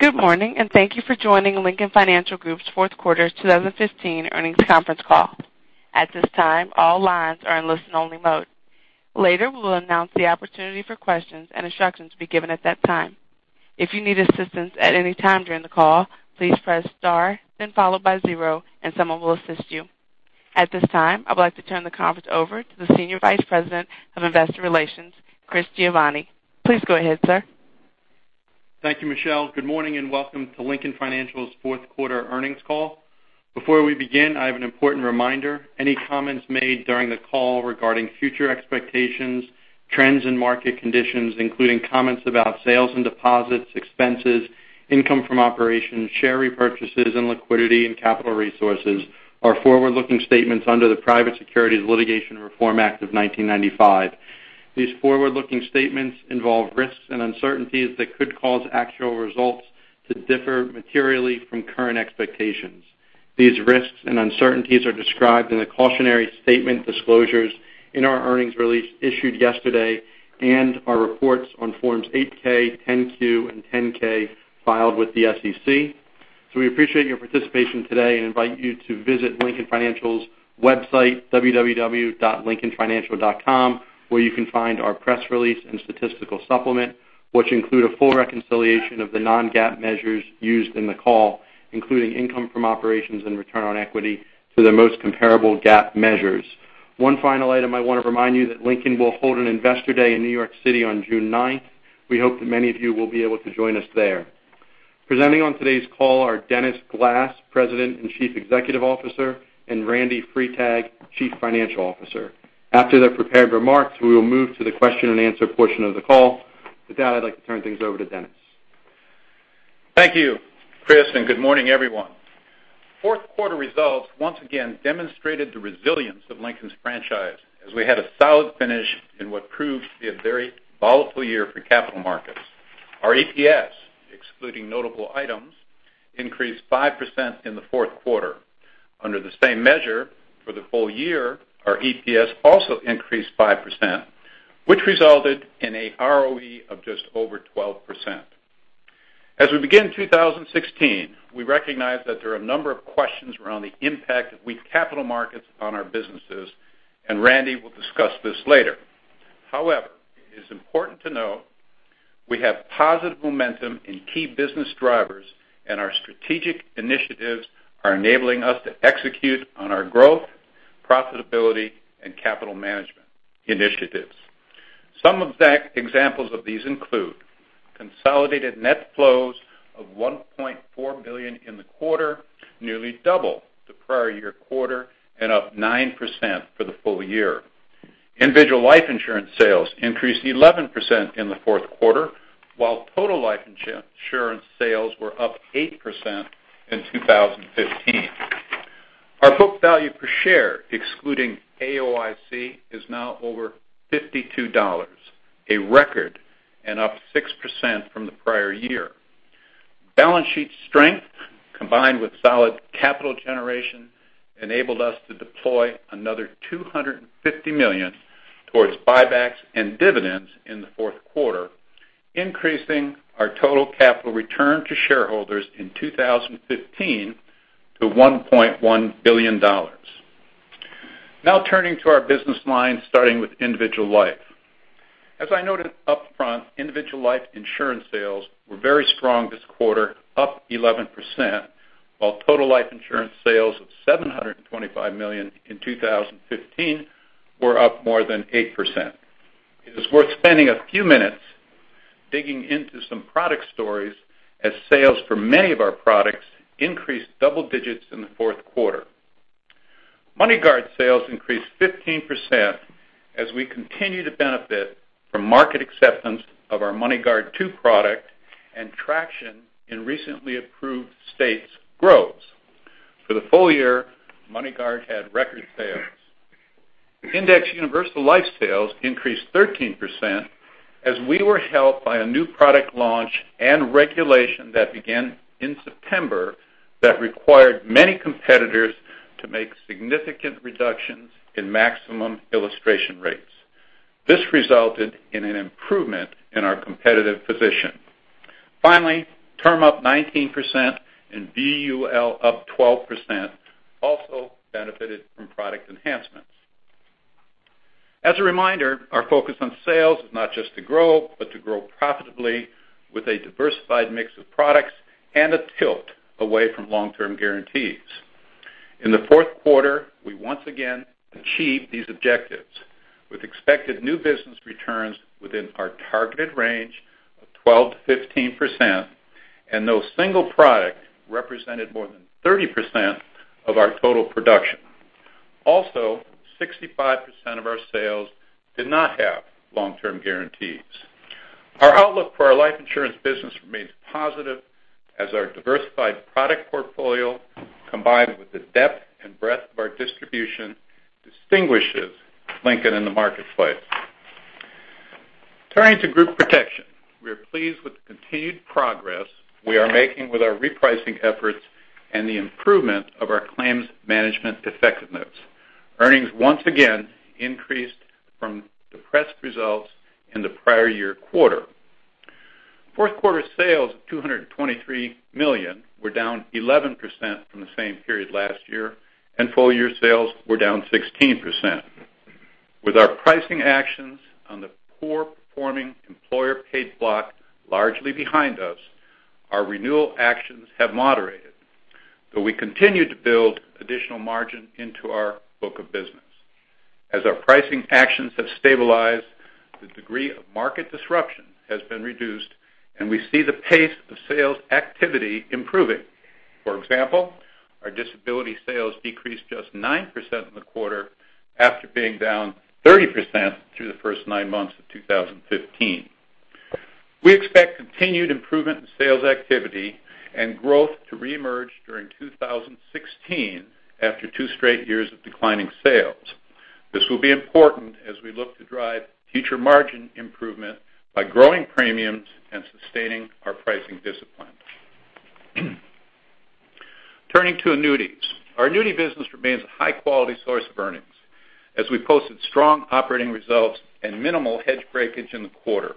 Good morning, and thank you for joining Lincoln Financial Group's fourth quarter 2015 earnings conference call. At this time, all lines are in listen-only mode. Later, we will announce the opportunity for questions and instructions will be given at that time. If you need assistance at any time during the call, please press star, then followed by zero, and someone will assist you. At this time, I would like to turn the conference over to the Senior Vice President of Investor Relations, Chris Giovanni. Please go ahead, sir. Thank you, Michelle. Good morning and welcome to Lincoln Financial's fourth quarter earnings call. Before we begin, I have an important reminder. Any comments made during the call regarding future expectations, trends and market conditions, including comments about sales and deposits, expenses, income from operations, share repurchases, and liquidity and capital resources, are forward-looking statements under the Private Securities Litigation Reform Act of 1995. These forward-looking statements involve risks and uncertainties that could cause actual results to differ materially from current expectations. These risks and uncertainties are described in the cautionary statement disclosures in our earnings release issued yesterday and our reports on Forms 8-K, 10-Q, and 10-K filed with the SEC. We appreciate your participation today and invite you to visit Lincoln Financial's website, www.lincolnfinancial.com, where you can find our press release and statistical supplement, which include a full reconciliation of the non-GAAP measures used in the call, including income from operations and return on equity, to their most comparable GAAP measures. One final item, I want to remind you that Lincoln will hold an investor day in New York City on June 9th. We hope that many of you will be able to join us there. Presenting on today's call are Dennis Glass, President and Chief Executive Officer, and Randy Freitag, Chief Financial Officer. After their prepared remarks, we will move to the question and answer portion of the call. With that, I'd like to turn things over to Dennis. Thank you, Chris, and good morning, everyone. Fourth quarter results once again demonstrated the resilience of Lincoln's franchise as we had a solid finish in what proved to be a very volatile year for capital markets. Our EPS, excluding notable items, increased 5% in the fourth quarter. Under the same measure for the full year, our EPS also increased 5%, which resulted in an ROE of just over 12%. As we begin 2016, we recognize that there are a number of questions around the impact of weak capital markets on our businesses. Randy will discuss this later. However, it is important to note we have positive momentum in key business drivers, and our strategic initiatives are enabling us to execute on our growth, profitability, and capital management initiatives. Some exact examples of these include consolidated net flows of $1.4 billion in the quarter, nearly double the prior year quarter and up 9% for the full year. Individual life insurance sales increased 11% in the fourth quarter, while total life insurance sales were up 8% in 2015. Our book value per share, excluding AOCI, is now over $52, a record, and up 6% from the prior year. Balance sheet strength, combined with solid capital generation, enabled us to deploy another $250 million towards buybacks and dividends in the fourth quarter, increasing our total capital return to shareholders in 2015 to $1.1 billion. Turning to our business lines, starting with individual life. As I noted upfront, individual life insurance sales were very strong this quarter, up 11%, while total life insurance sales of $725 million in 2015 were up more than 8%. It is worth spending a few minutes digging into some product stories as sales for many of our products increased double digits in the fourth quarter. MoneyGuard sales increased 15% as we continue to benefit from market acceptance of our MoneyGuard II product and traction in recently approved states grows. For the full year, MoneyGuard had record sales. Indexed universal life sales increased 13% as we were helped by a new product launch and regulation that began in September that required many competitors to make significant reductions in maximum illustration rates. This resulted in an improvement in our competitive position. Term up 19% and VUL up 12% also benefited from product enhancements. As a reminder, our focus on sales is not just to grow, but to grow profitably with a diversified mix of products and a tilt away from long-term guarantees. In the fourth quarter, we once again achieved these objectives with expected new business returns within our targeted range of 12%-15% and no single product represented more than 30% of our total production. 65% of our sales did not have long-term guarantees. Our outlook for our life insurance business remains positive as our diversified product portfolio, combined with the depth and breadth of our distribution, distinguishes Lincoln in the marketplace. Turning to group protection, we are pleased with the continued progress we are making with our repricing efforts and the improvement of our claims management effectiveness. Earnings once again increased from depressed results in the prior year quarter. Fourth quarter sales of $223 million were down 11% from the same period last year, and full-year sales were down 16%. With our pricing actions on the poor performing employer paid block largely behind us, our renewal actions have moderated. We continue to build additional margin into our book of business. As our pricing actions have stabilized, the degree of market disruption has been reduced, and we see the pace of sales activity improving. For example, our disability sales decreased just 9% in the quarter after being down 30% through the first nine months of 2015. We expect continued improvement in sales activity and growth to reemerge during 2016 after two straight years of declining sales. This will be important as we look to drive future margin improvement by growing premiums and sustaining our pricing discipline. Turning to annuities. Our annuity business remains a high-quality source of earnings as we posted strong operating results and minimal hedge breakage in the quarter.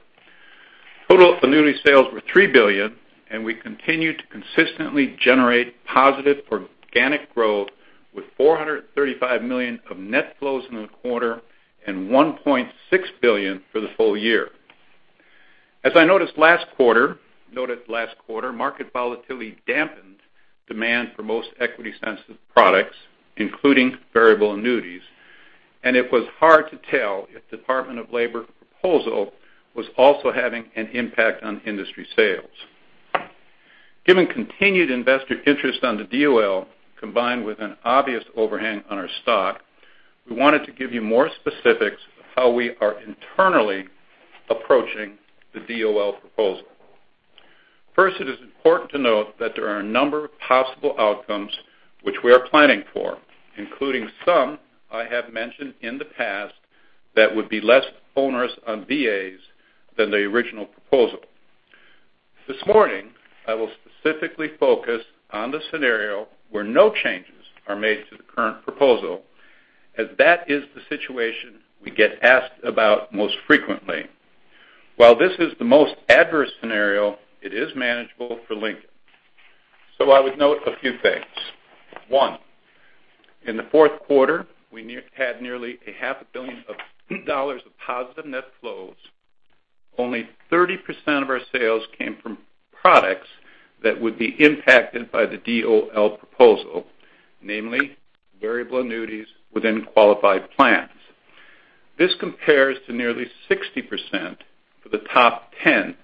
Total annuity sales were $3 billion, we continue to consistently generate positive organic growth with $435 million of net flows in the quarter and $1.6 billion for the full year. As I noted last quarter, market volatility dampened demand for most equity-sensitive products, including variable annuities, it was hard to tell if Department of Labor proposal was also having an impact on industry sales. Given continued investor interest on the DOL combined with an obvious overhang on our stock, we wanted to give you more specifics of how we are internally approaching the DOL proposal. First, it is important to note that there are a number of possible outcomes which we are planning for, including some I have mentioned in the past that would be less onerous on VAs than the original proposal. This morning, I will specifically focus on the scenario where no changes are made to the current proposal, as that is the situation we get asked about most frequently. While this is the most adverse scenario, it is manageable for Lincoln. I would note a few things. One, in the fourth quarter, we had nearly a half a billion of dollars of positive net flows. Only 30% of our sales came from products that would be impacted by the DOL proposal, namely variable annuities within qualified plans. This compares to nearly 60% for the top 10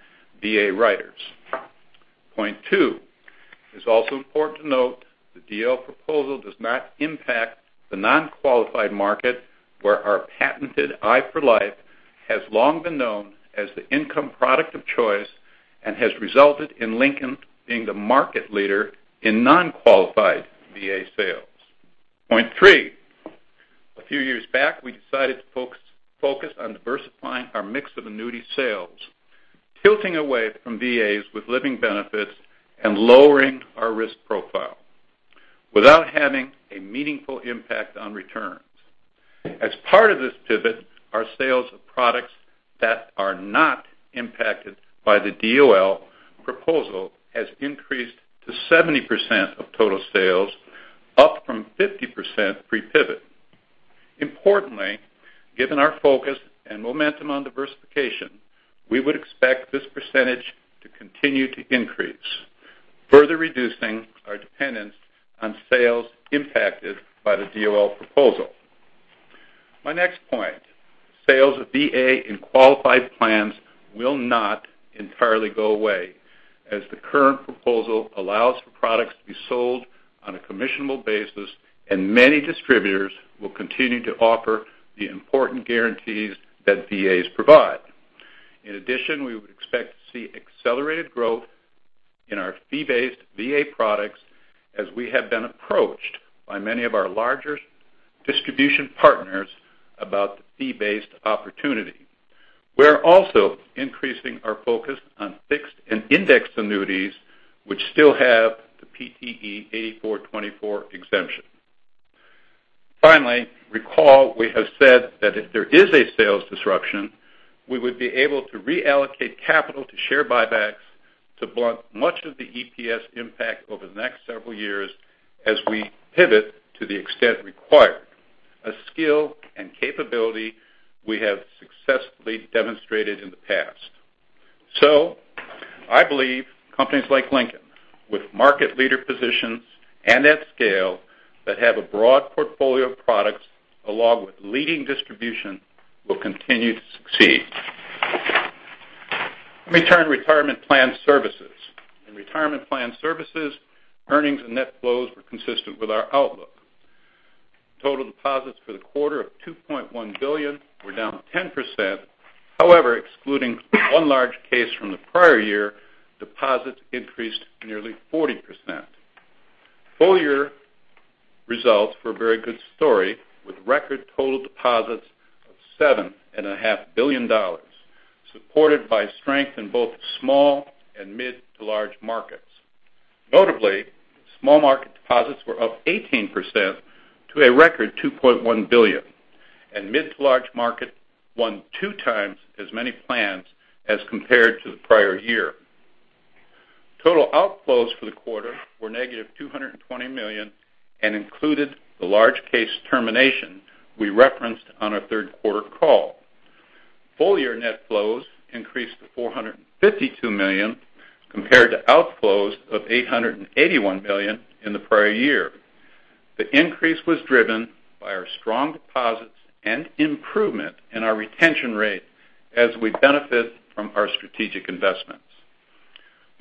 VA writers. Point 2, it is also important to note the DOL proposal does not impact the non-qualified market where our patented i4LIFE has long been known as the income product of choice and has resulted in Lincoln being the market leader in non-qualified VA sales. Point 3, a few years back, we decided to focus on diversifying our mix of annuity sales, tilting away from VAs with living benefits and lowering our risk profile without having a meaningful impact on returns. As part of this pivot, our sales of products that are not impacted by the DOL proposal has increased to 70% of total sales, up from 50% pre-pivot. Importantly, given our focus and momentum on diversification, we would expect this percentage to continue to increase, further reducing our dependence on sales impacted by the DOL proposal. My next point, sales of VA in qualified plans will not entirely go away as the current proposal allows for products to be sold on a commissionable basis and many distributors will continue to offer the important guarantees that VAs provide. In addition, we would expect to see accelerated growth in our fee-based VA products as we have been approached by many of our larger distribution partners about the fee-based opportunity. We are also increasing our focus on fixed and indexed annuities, which still have the PTE 84-24 exemption. Finally, recall we have said that if there is a sales disruption, we would be able to reallocate capital to share buybacks to blunt much of the EPS impact over the next several years as we pivot to the extent required. A skill and capability we have successfully demonstrated in the past. I believe companies like Lincoln with market leader positions and at scale that have a broad portfolio of products along with leading distribution will continue to succeed. Let me turn to Retirement Plan Services. In Retirement Plan Services, earnings and net flows were consistent with our outlook. Total deposits for the quarter of $2.1 billion were down 10%. However, excluding one large case from the prior year, deposits increased nearly 40%. Full year results were a very good story with record total deposits of $7.5 billion, supported by strength in both small and mid to large markets. Notably, small market deposits were up 18% to a record $2.1 billion, and mid to large market won two times as many plans as compared to the prior year. Total outflows for the quarter were negative $220 million and included the large case termination we referenced on our third quarter call. Full-year net flows increased to $452 million compared to outflows of $881 million in the prior year. The increase was driven by our strong deposits and improvement in our retention rate as we benefit from our strategic investments.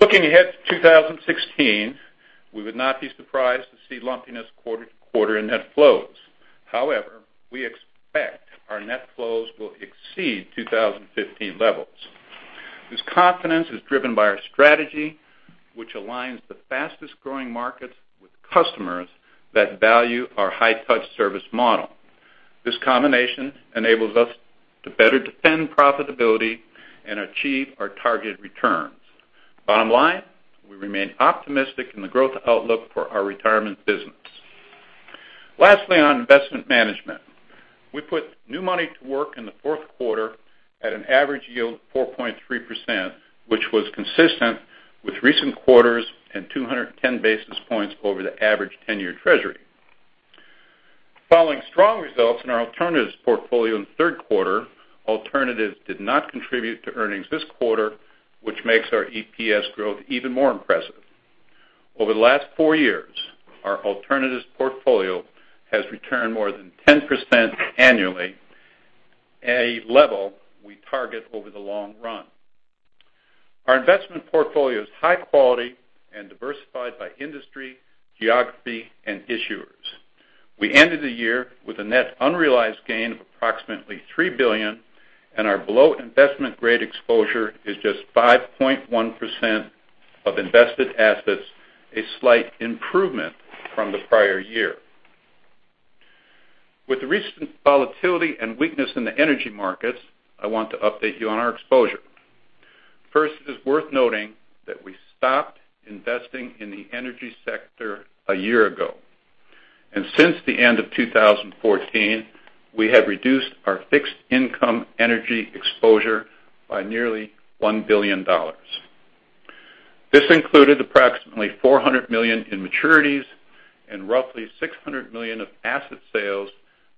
Looking ahead to 2016, we would not be surprised to see lumpiness quarter to quarter in net flows. However, we expect our net flows will exceed 2015 levels. This confidence is driven by our strategy, which aligns the fastest-growing markets with customers that value our high-touch service model. This combination enables us to better defend profitability and achieve our targeted returns. Bottom line, we remain optimistic in the growth outlook for our retirement business. Lastly, on investment management. We put new money to work in the fourth quarter at an average yield of 4.3%, which was consistent with recent quarters and 210 basis points over the average 10-year Treasury. Following strong results in our alternatives portfolio in the third quarter, alternatives did not contribute to earnings this quarter, which makes our EPS growth even more impressive. Over the last four years, our alternatives portfolio has returned more than 10% annually, a level we target over the long run. Our investment portfolio is high quality and diversified by industry, geography, and issuers. We ended the year with a net unrealized gain of approximately $3 billion, and our below investment-grade exposure is just 5.1% of invested assets, a slight improvement from the prior year. With the recent volatility and weakness in the energy markets, I want to update you on our exposure. First, it is worth noting that we stopped investing in the energy sector a year ago. Since the end of 2014, we have reduced our fixed income energy exposure by nearly $1 billion. This included approximately $400 million in maturities and roughly $600 million of asset sales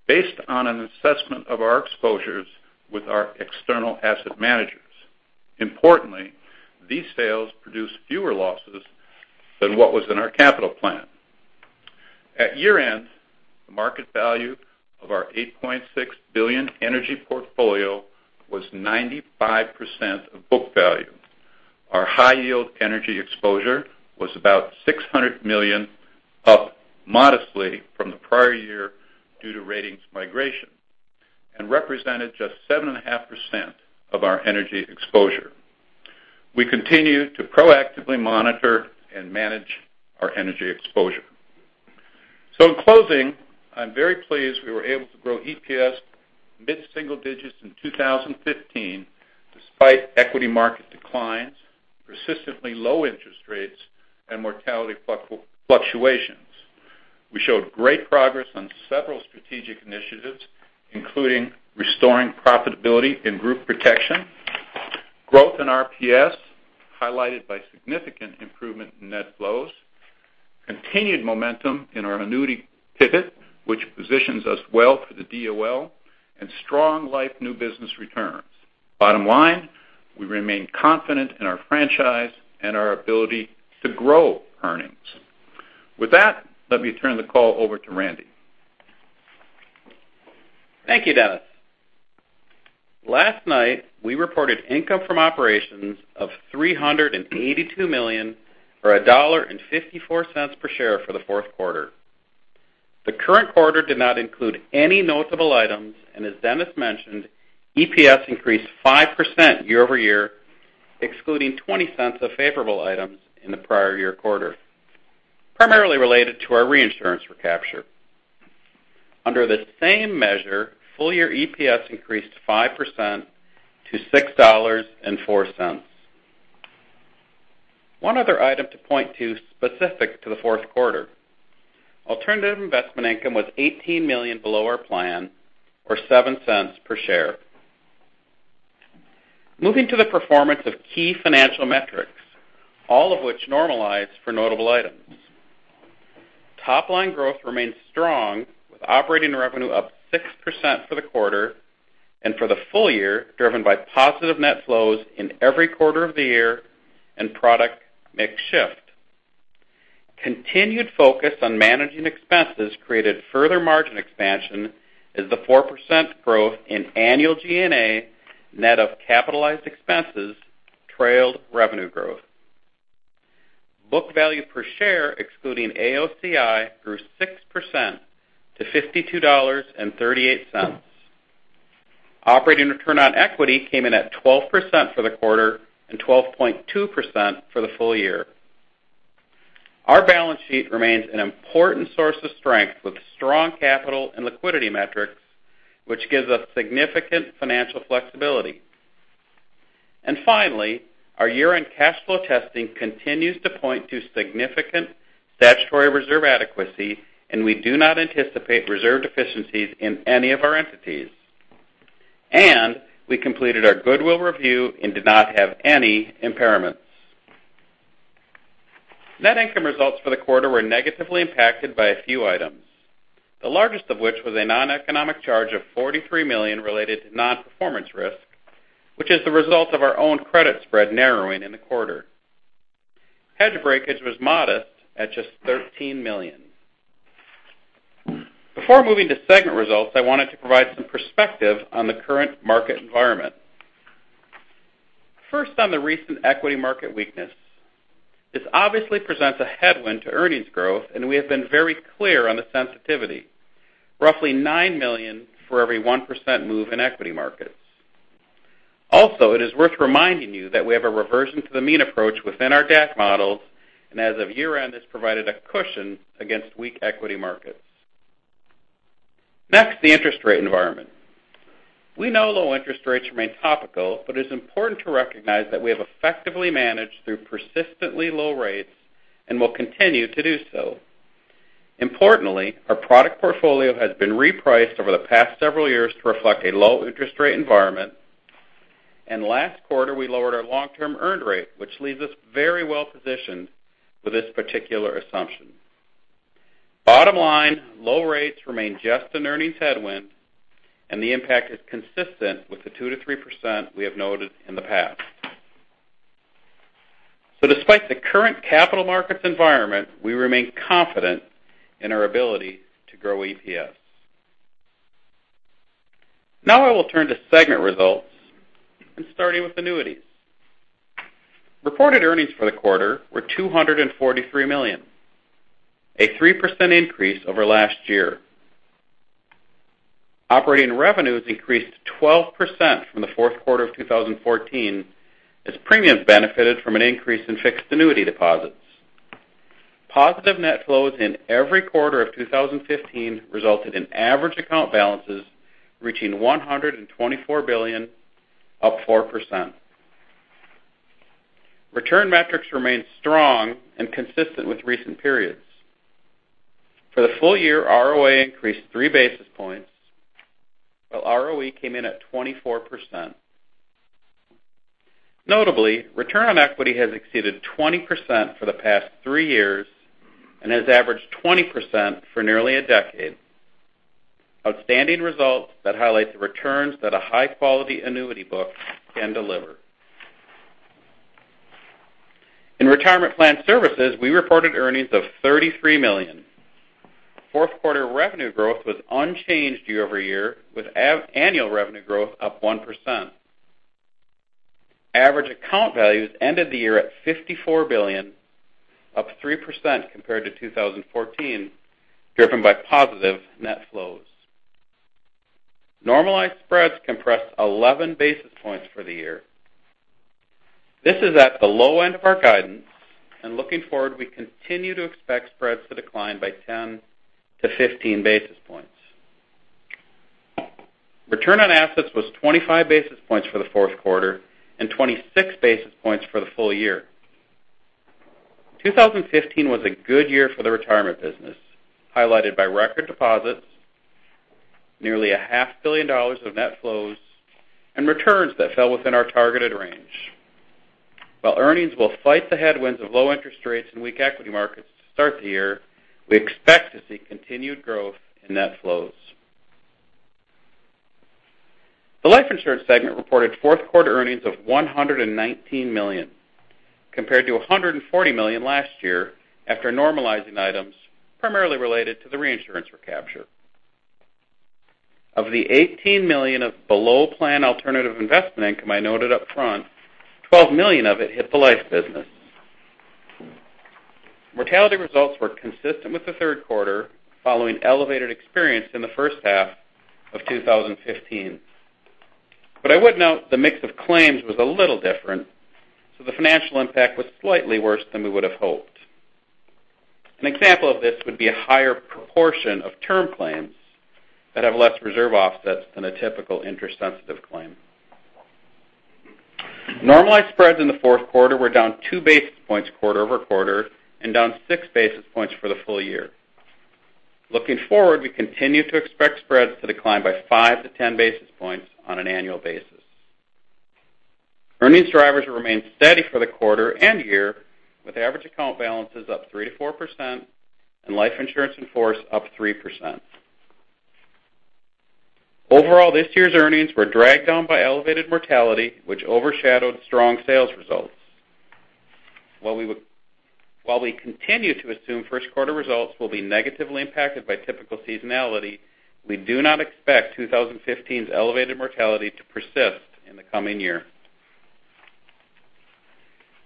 based on an assessment of our exposures with our external asset managers. Importantly, these sales produced fewer losses than what was in our capital plan. At year-end, the market value of our $8.6 billion energy portfolio was 95% of book value. Our high yield energy exposure was about $600 million, up modestly from the prior year due to ratings migration, and represented just 7.5% of our energy exposure. We continue to proactively monitor and manage our energy exposure. In closing, I'm very pleased we were able to grow EPS mid-single digits in 2015 despite equity market declines, persistently low interest rates, and mortality fluctuations. We showed great progress on several strategic initiatives, including restoring profitability in group protection, growth in RPS, highlighted by significant improvement in net flows, continued momentum in our annuity pivot, which positions us well for the DOL, and strong life new business returns. Bottom line, we remain confident in our franchise and our ability to grow earnings. With that, let me turn the call over to Randy. Thank you, Dennis. Last night, we reported income from operations of $382 million, or $1.54 per share for the fourth quarter. The current quarter did not include any notable items, as Dennis mentioned, EPS increased 5% year-over-year, excluding $0.20 of favorable items in the prior year quarter, primarily related to our reinsurance recapture. Under the same measure, full-year EPS increased 5% to $6.04. One other item to point to specific to the fourth quarter. Alternative investment income was $18 million below our plan, or $0.07 per share. Moving to the performance of key financial metrics, all of which normalize for notable items. Top-line growth remains strong with operating revenue up 6% for the quarter and for the full year, driven by positive net flows in every quarter of the year and product mix shift. Continued focus on managing expenses created further margin expansion as the 4% growth in annual G&A net of capitalized expenses trailed revenue growth. Book value per share excluding AOCI grew 6% to $52.38. Operating return on equity came in at 12% for the quarter and 12.2% for the full year. Our balance sheet remains an important source of strength with strong capital and liquidity metrics, which gives us significant financial flexibility. Finally, our year-end cash flow testing continues to point to significant statutory reserve adequacy, and we do not anticipate reserve deficiencies in any of our entities. We completed our goodwill review and did not have any impairments. Net income results for the quarter were negatively impacted by a few items, the largest of which was a non-economic charge of $43 million related to non-performance risk, which is the result of our own credit spread narrowing in the quarter. Hedge breakage was modest at just $13 million. Before moving to segment results, I wanted to provide some perspective on the current market environment. First, on the recent equity market weakness. This obviously presents a headwind to earnings growth, and we have been very clear on the sensitivity. Roughly $9 million for every 1% move in equity markets. Also, it is worth reminding you that we have a reversion to the mean approach within our DAC models, and as of year-end, this provided a cushion against weak equity markets. Next, the interest rate environment. We know low interest rates remain topical, it is important to recognize that we have effectively managed through persistently low rates and will continue to do so. Importantly, our product portfolio has been repriced over the past several years to reflect a low interest rate environment, last quarter, we lowered our long-term earned rate, which leaves us very well positioned for this particular assumption. Bottom line, low rates remain just an earnings headwind, the impact is consistent with the 2%-3% we have noted in the past. Despite the current capital markets environment, we remain confident in our ability to grow EPS. I will turn to segment results and starting with annuities. Reported earnings for the quarter were $243 million, a 3% increase over last year. Operating revenues increased 12% from the fourth quarter of 2014 as premiums benefited from an increase in fixed annuity deposits. Positive net flows in every quarter of 2015 resulted in average account balances reaching $124 billion, up 4%. Return metrics remained strong and consistent with recent periods. For the full year, ROA increased 3 basis points, while ROE came in at 24%. Notably, return on equity has exceeded 20% for the past 3 years and has averaged 20% for nearly a decade. Outstanding results that highlight the returns that a high-quality annuity book can deliver. In Retirement Plan Services, we reported earnings of $33 million. Fourth quarter revenue growth was unchanged year-over-year, with annual revenue growth up 1%. Average account values ended the year at $54 billion, up 3% compared to 2014, driven by positive net flows. Normalized spreads compressed 11 basis points for the year. This is at the low end of our guidance, looking forward, we continue to expect spreads to decline by 10-15 basis points. Return on assets was 25 basis points for the fourth quarter and 26 basis points for the full year. 2015 was a good year for the retirement business, highlighted by record deposits, nearly a half billion dollars of net flows, returns that fell within our targeted range. Earnings will fight the headwinds of low interest rates and weak equity markets to start the year, we expect to see continued growth in net flows. The life insurance segment reported fourth quarter earnings of $119 million compared to $140 million last year after normalizing items primarily related to the reinsurance recapture. Of the $18 million of below-plan alternative investment income I noted up front, $12 million of it hit the life business. Mortality results were consistent with the third quarter, following elevated experience in the first half of 2015. I would note the mix of claims was a little different, the financial impact was slightly worse than we would have hoped. An example of this would be a higher proportion of term claims that have less reserve offsets than a typical interest-sensitive claim. Normalized spreads in the fourth quarter were down 2 basis points quarter-over-quarter and down 6 basis points for the full year. Looking forward, we continue to expect spreads to decline by 5-10 basis points on an annual basis. Earnings drivers remain steady for the quarter and year, with average account balances up 3%-4%, life insurance in force up 3%. Overall, this year's earnings were dragged down by elevated mortality, which overshadowed strong sales results. While we continue to assume first quarter results will be negatively impacted by typical seasonality, we do not expect 2015's elevated mortality to persist in the coming year.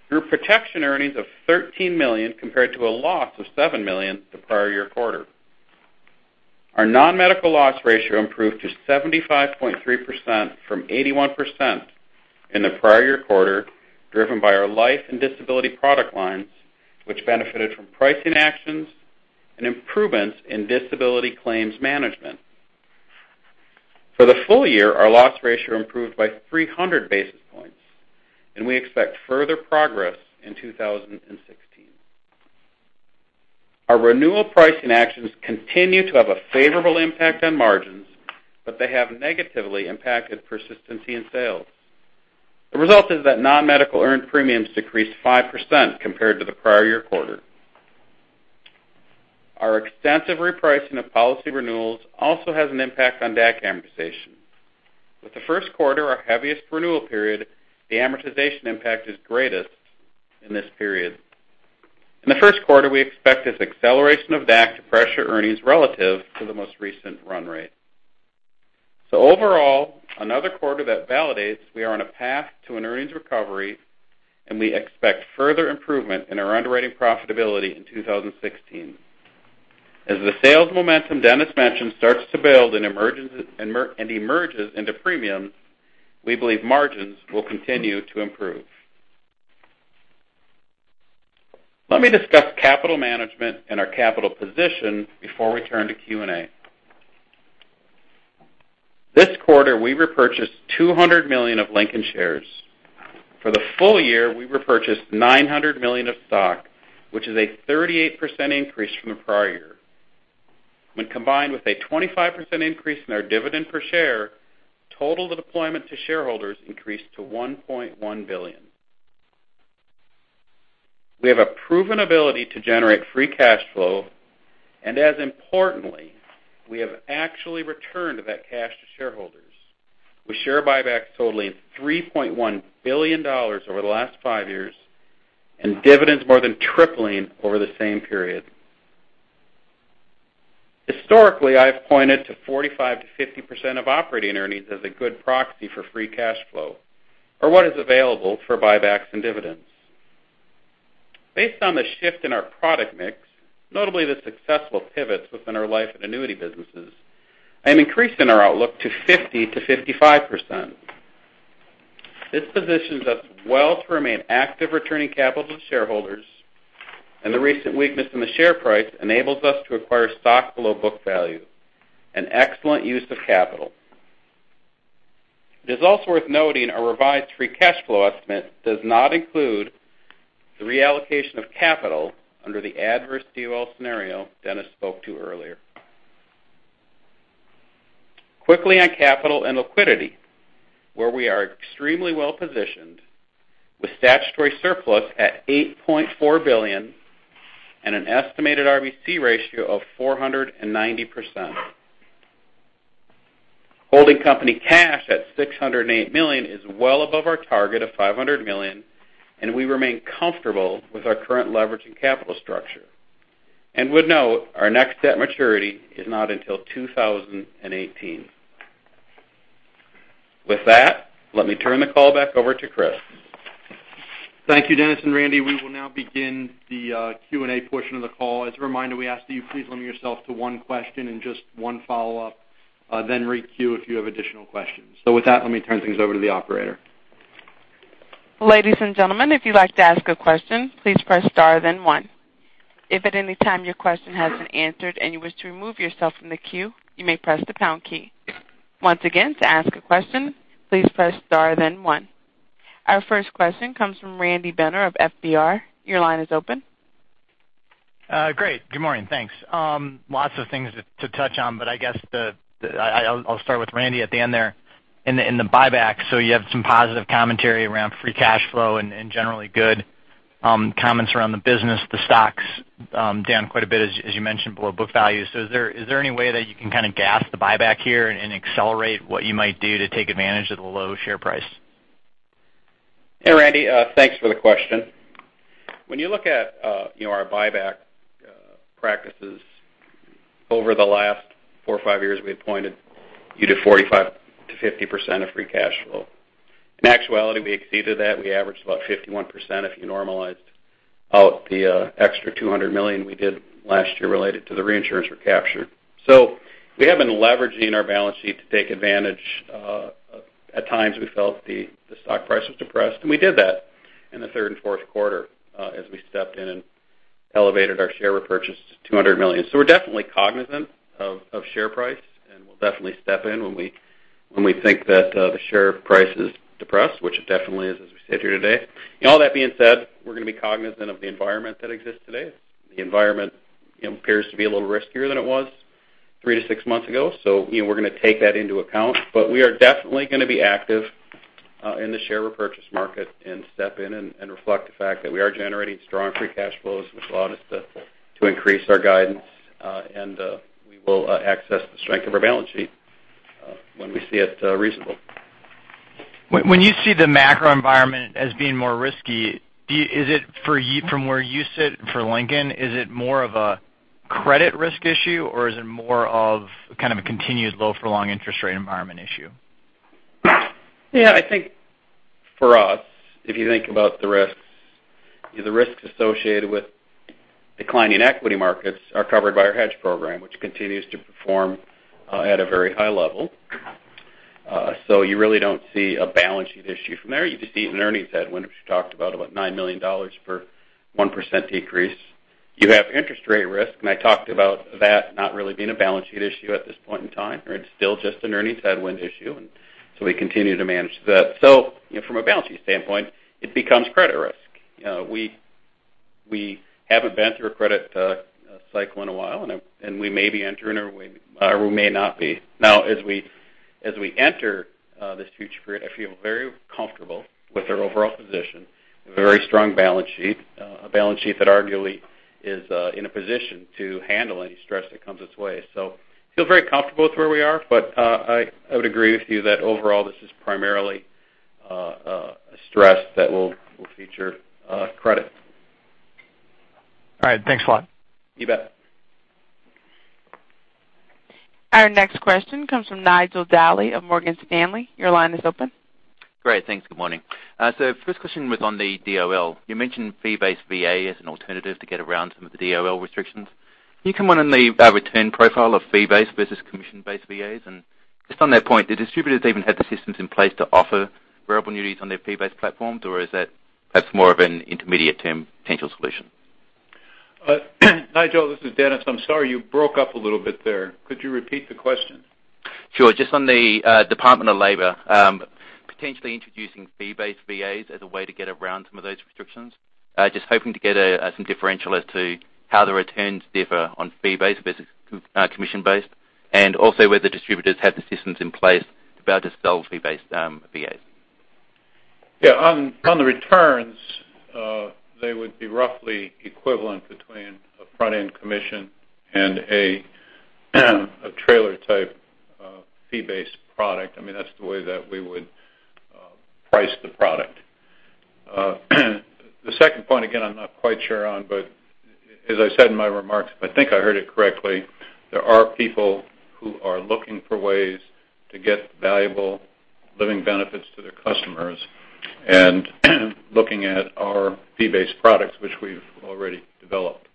Group protection earnings of $13 million compared to a loss of $7 million the prior year quarter. Our non-medical loss ratio improved to 75.3% from 81% in the prior year quarter, driven by our life and disability product lines, which benefited from pricing actions and improvements in disability claims management. For the full year, our loss ratio improved by 300 basis points, and we expect further progress in 2016. Our renewal pricing actions continue to have a favorable impact on margins, but they have negatively impacted persistency in sales. The result is that non-medical earned premiums decreased 5% compared to the prior year quarter. Our extensive repricing of policy renewals also has an impact on DAC amortization. With the first quarter our heaviest renewal period, the amortization impact is greatest in this period. In the first quarter, we expect this acceleration of DAC to pressure earnings relative to the most recent run rate. Overall, another quarter that validates we are on a path to an earnings recovery, and we expect further improvement in our underwriting profitability in 2016. As the sales momentum Dennis mentioned starts to build and emerges into premium, we believe margins will continue to improve. Let me discuss capital management and our capital position before we turn to Q&A. This quarter, we repurchased $200 million of Lincoln shares. For the full year, we repurchased $900 million of stock, which is a 38% increase from the prior year. When combined with a 25% increase in our dividend per share, total deployment to shareholders increased to $1.1 billion. We have a proven ability to generate free cash flow, and as importantly, we have actually returned that cash to shareholders, with share buybacks totaling $3.1 billion over the last five years and dividends more than tripling over the same period. Historically, I've pointed to 45%-50% of operating earnings as a good proxy for free cash flow, or what is available for buybacks and dividends. Based on the shift in our product mix, notably the successful pivots within our life and annuity businesses, I am increasing our outlook to 50%-55%. This positions us well to remain active returning capital to shareholders, and the recent weakness in the share price enables us to acquire stock below book value, an excellent use of capital. It is also worth noting our revised free cash flow estimate does not include the reallocation of capital under the adverse DOL scenario Dennis spoke to earlier. Quickly on capital and liquidity, where we are extremely well-positioned, with statutory surplus at $8.4 billion and an estimated RBC ratio of 490%. Holding company cash at $608 million is well above our target of $500 million. We remain comfortable with our current leverage and capital structure. We would note our next debt maturity is not until 2018. With that, let me turn the call back over to Chris. Thank you, Dennis and Randy. We will now begin the Q&A portion of the call. As a reminder, we ask that you please limit yourself to one question and just one follow-up. Re-queue if you have additional questions. With that, let me turn things over to the operator. Ladies and gentlemen, if you'd like to ask a question, please press star then one. If at any time your question has been answered and you wish to remove yourself from the queue, you may press the pound key. Once again, to ask a question, please press star then one. Our first question comes from Randy Binner of FBR. Your line is open. Great. Good morning. Thanks. Lots of things to touch on, but I guess I'll start with Randy at the end there. In the buyback, you have some positive commentary around free cash flow and generally good comments around the business. The stock's down quite a bit, as you mentioned, below book value. Is there any way that you can kind of gas the buyback here and accelerate what you might do to take advantage of the low share price? Hey, Randy. Thanks for the question. When you look at our buyback practices over the last four or five years, we've pointed you to 45%-50% of free cash flow. In actuality, we exceeded that. We averaged about 51% if you normalized out the extra $200 million we did last year related to the reinsurance recapture. We have been leveraging our balance sheet to take advantage. At times, we felt the stock price was depressed, and we did that in the third and fourth quarter as we stepped in and elevated our share repurchase to $200 million. We're definitely cognizant of share price, and we'll definitely step in when we think that the share price is depressed, which it definitely is, as we sit here today. All that being said, we're going to be cognizant of the environment that exists today. The environment appears to be a little riskier than it was three to six months ago. We're going to take that into account, but we are definitely going to be active in the share repurchase market and step in and reflect the fact that we are generating strong free cash flows, which allowed us to increase our guidance. We will access the strength of our balance sheet when we see it reasonable. When you see the macro environment as being more risky, from where you sit for Lincoln, is it more of a credit risk issue, or is it more of a continued low for long interest rate environment issue? Yeah, I think for us, if you think about the risks, the risks associated with declining equity markets are covered by our hedge program, which continues to perform at a very high level. You really don't see a balance sheet issue from there. You just see an earnings headwind, which we talked about $9 million per 1% decrease. You have interest rate risk, I talked about that not really being a balance sheet issue at this point in time, or it's still just an earnings headwind issue, we continue to manage that. From a balance sheet standpoint, it becomes credit risk. We haven't been through a credit cycle in a while, we may be entering, or we may not be. Now, as we enter this future period, I feel very comfortable with our overall position. We have a very strong balance sheet, a balance sheet that arguably is in a position to handle any stress that comes its way. Feel very comfortable with where we are, I would agree with you that overall, this is primarily a stress that will feature credit. All right. Thanks a lot. You bet. Our next question comes from Nigel Dally of Morgan Stanley. Your line is open. Great. Thanks. Good morning. First question was on the DOL. You mentioned fee-based VA as an alternative to get around some of the DOL restrictions. Can you comment on the return profile of fee-based versus commission-based VAs? Just on that point, do distributors even have the systems in place to offer variable annuities on their fee-based platforms, or is that perhaps more of an intermediate-term potential solution? Nigel, this is Dennis. I'm sorry, you broke up a little bit there. Could you repeat the question? Sure. Just on the Department of Labor potentially introducing fee-based VAs as a way to get around some of those restrictions. Hoping to get some differential as to how the returns differ on fee-based versus commission-based, and also whether distributors have the systems in place to be able to sell fee-based VAs. Yeah. On the returns, they would be roughly equivalent between a front-end commission and a trailer-type fee-based product. That's the way that we would price the product. The second point, again, I'm not quite sure on, as I said in my remarks, if I think I heard it correctly, there are people who are looking for ways to get valuable living benefits to their customers, and looking at our fee-based products, which we've already developed.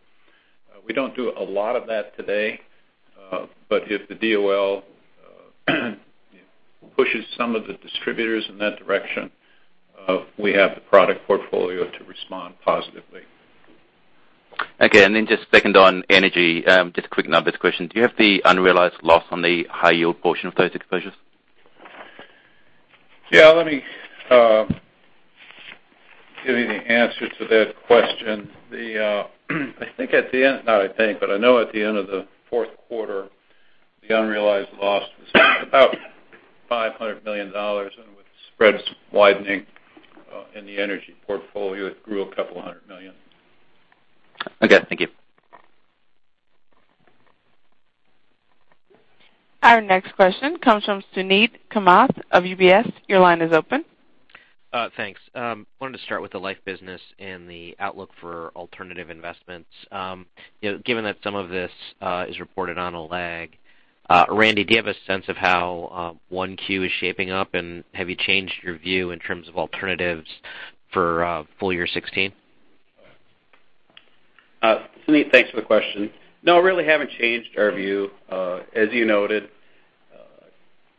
We don't do a lot of that today. If the DOL pushes some of the distributors in that direction, we have the product portfolio to respond positively. Okay, then just second on energy, just a quick numbers question. Do you have the unrealized loss on the high yield portion of those exposures? Yeah, let me give you the answer to that question. I know at the end of the fourth quarter, the unrealized loss was about $500 million, and with spreads widening in the energy portfolio, it grew a couple hundred million. Okay, thank you. Our next question comes from Suneet Kamath of UBS. Your line is open. Thanks. Wanted to start with the life business and the outlook for alternative investments. Given that some of this is reported on a lag, Randy, do you have a sense of how 1Q is shaping up, and have you changed your view in terms of alternatives for full year 2016? Suneet, thanks for the question. No, really haven't changed our view. As you noted,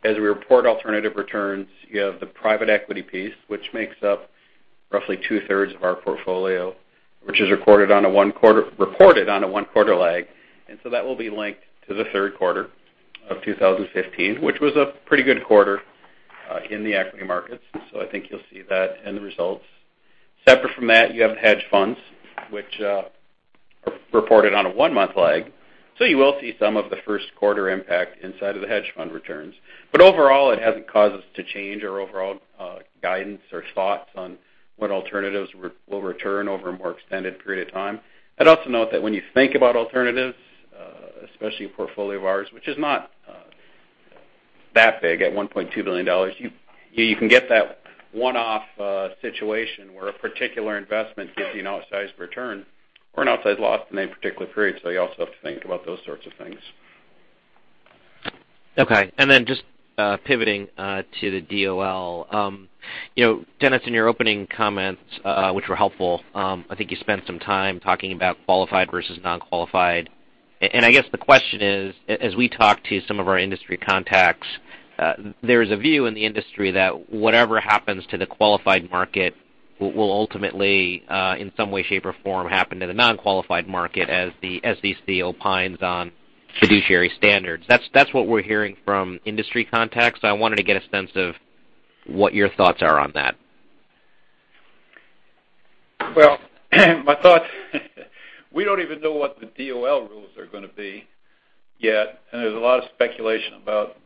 as we report alternative returns, you have the private equity piece, which makes up roughly two-thirds of our portfolio, which is reported on a one-quarter lag. That will be linked to the third quarter of 2015, which was a pretty good quarter in the equity markets. I think you'll see that in the results. Separate from that, you have hedge funds, which are reported on a one-month lag. You will see some of the first quarter impact inside of the hedge fund returns. Overall, it hasn't caused us to change our overall guidance or thoughts on what alternatives will return over a more extended period of time. I'd also note that when you think about alternatives, especially a portfolio of ours, which is not that big at $1.2 billion, you can get that one-off situation where a particular investment gives you an outsized return or an outsized loss in any particular period. You also have to think about those sorts of things. Okay. Just pivoting to the DOL. Dennis, in your opening comments, which were helpful, I think you spent some time talking about qualified versus non-qualified. I guess the question is, as we talk to some of our industry contacts, there is a view in the industry that whatever happens to the qualified market will ultimately, in some way, shape, or form, happen to the non-qualified market as the SEC opines on fiduciary standards. That's what we're hearing from industry contacts. I wanted to get a sense of what your thoughts are on that. Well, we don't even know what the DOL rules are going to be yet, and there's a lot of speculation about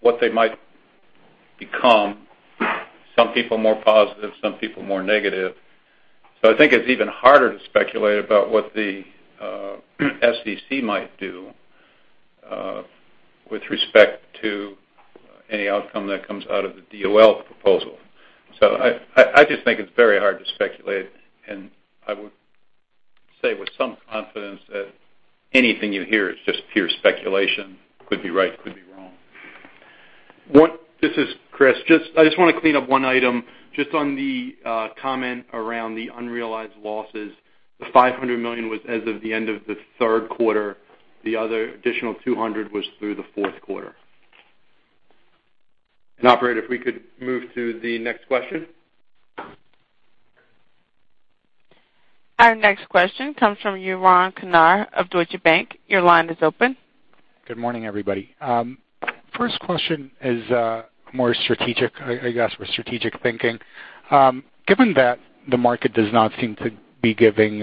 what they might become, some people more positive, some people more negative. I think it's even harder to speculate about what the SEC might do with respect to any outcome that comes out of the DOL proposal. I just think it's very hard to speculate, and I would say with some confidence that anything you hear is just pure speculation. Could be right, could be wrong. This is Chris. I just want to clean up one item. Just on the comment around the unrealized losses, the $500 million was as of the end of the third quarter. The other additional $200 was through the fourth quarter. Operator, if we could move to the next question. Our next question comes from Yaron Kinar of Deutsche Bank. Your line is open. Good morning, everybody. First question is more strategic, I guess, with strategic thinking. Given that the market does not seem to be giving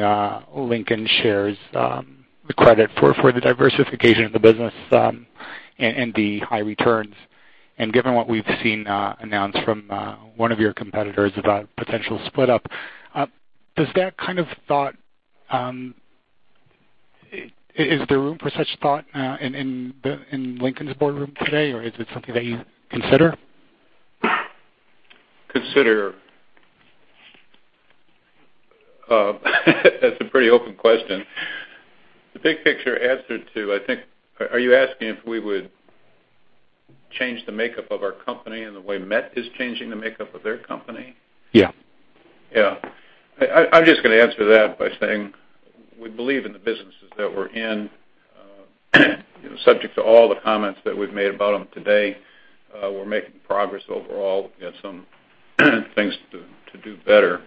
Lincoln shares the credit for the diversification of the business and the high returns, given what we've seen announced from one of your competitors about potential split up, is there room for such thought in Lincoln's boardroom today, or is it something that you consider? Consider? That's a pretty open question. The big picture answer to, Are you asking if we would change the makeup of our company in the way MetLife is changing the makeup of their company? Yeah. Yeah. I'm just going to answer that by saying we believe in the businesses that we're in, subject to all the comments that we've made about them today. We're making progress overall. We have some things to do better.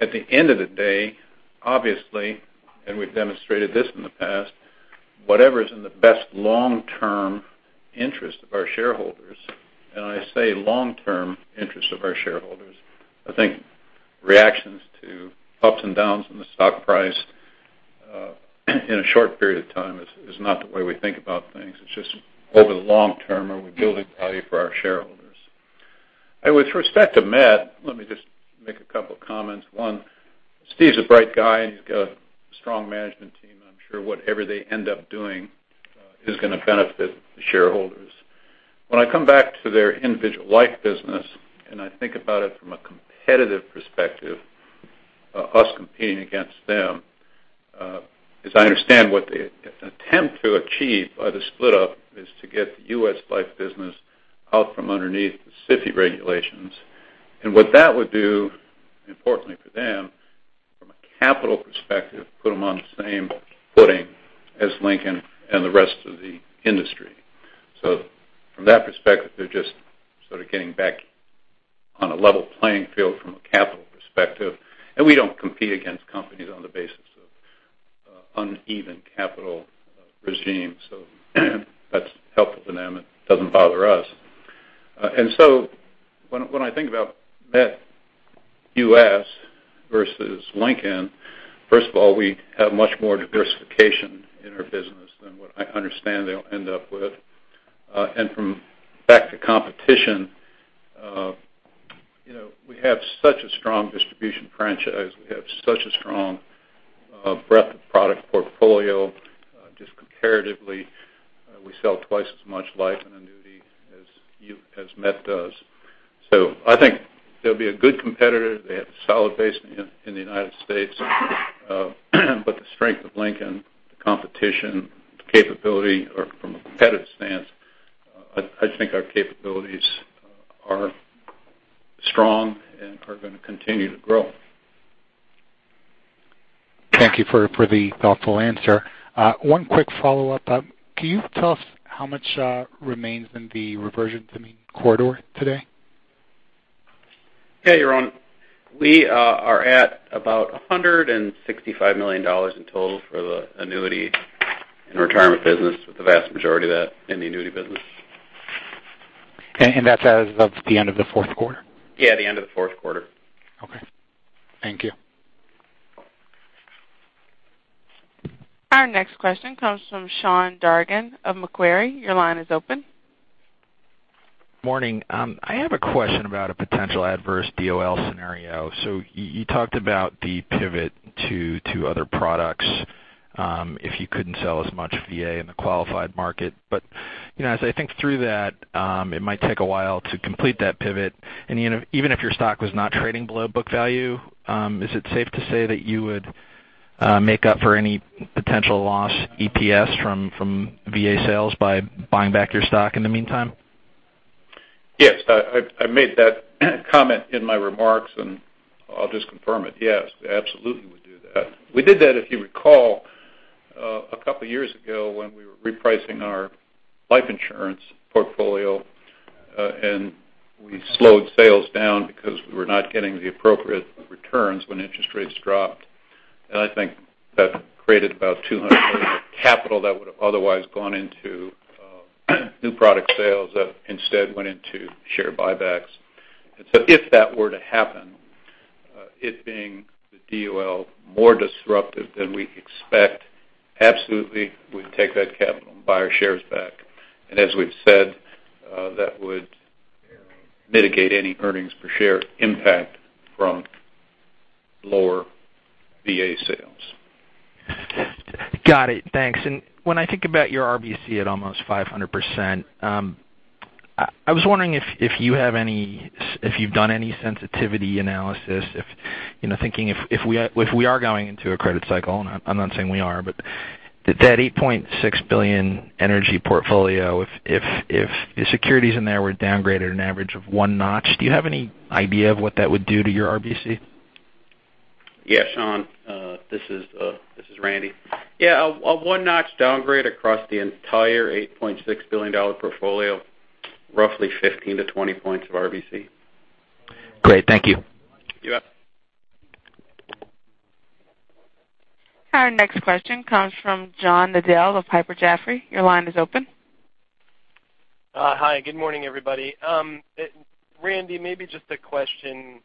At the end of the day, obviously, and we've demonstrated this in the past, whatever is in the best long-term interest of our shareholders, and I say long-term interest of our shareholders, I think reactions to ups and downs in the stock price in a short period of time is not the way we think about things. It's just over the long term are we building value for our shareholders. With respect to Met, let me just make a couple comments. One, Steve's a bright guy, and he's got a strong management team. I'm sure whatever they end up doing is going to benefit the shareholders. When I come back to their individual life business, and I think about it from a competitive perspective, us competing against them, as I understand, what they attempt to achieve by the split up is to get the U.S. life business out from underneath the SIFI regulations. What that would do, importantly for them, from a capital perspective, put them on the same footing as Lincoln and the rest of the industry. From that perspective, they're just sort of getting back on a level playing field from a capital perspective, and we don't compete against companies on the basis of uneven capital regime. That's helpful to them. It doesn't bother us. When I think about Met U.S. versus Lincoln, first of all, we have much more diversification in our business than what I understand they'll end up with. From back to competition, we have such a strong distribution franchise. We have such a strong breadth of product portfolio. Just comparatively, we sell twice as much life in annuity as Met does. I think they'll be a good competitor. They have a solid base in the United States. The strength of Lincoln, the competition, the capability or from a competitive stance, I think our capabilities are strong and are going to continue to grow. Thank you for the thoughtful answer. One quick follow-up. Can you tell us how much remains in the reversion to mean corridor today? Yeah, Yaron. We are at about $165 million in total for the annuity in retirement business, with the vast majority of that in the annuity business. That's as of the end of the fourth quarter? Yeah, the end of the fourth quarter. Okay. Thank you. Our next question comes from Sean Dargan of Macquarie. Your line is open. Morning. I have a question about a potential adverse DOL scenario. You talked about the pivot to other products if you couldn't sell as much VA in the qualified market. As I think through that, it might take a while to complete that pivot. Even if your stock was not trading below book value, is it safe to say that you would make up for any potential loss EPS from VA sales by buying back your stock in the meantime? Yes. I made that comment in my remarks, and I'll just confirm it. Yes, absolutely we do that. We did that, if you recall, a couple of years ago when we were repricing our life insurance portfolio, and we slowed sales down because we were not getting the appropriate returns when interest rates dropped. I think that created about $200 million of capital that would have otherwise gone into new product sales that instead went into share buybacks. If that were to happen, it being the DOL more disruptive than we expect, absolutely, we'd take that capital and buy our shares back. As we've said, that would mitigate any earnings per share impact from lower VA sales. Got it. Thanks. When I think about your RBC at almost 500%, I was wondering if you've done any sensitivity analysis, thinking if we are going into a credit cycle, and I'm not saying we are. That $8.6 billion energy portfolio, if the securities in there were downgraded an average of one notch, do you have any idea of what that would do to your RBC? Yes, Sean, this is Randy. Yeah, a one-notch downgrade across the entire $8.6 billion portfolio, roughly 15 to 20 points of RBC. Great. Thank you. You bet. Our next question comes from John Nadel of Piper Jaffray. Your line is open. Hi. Good morning, everybody. Randy, maybe just a question.